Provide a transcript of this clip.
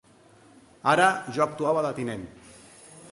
Ara jo actuava de tinent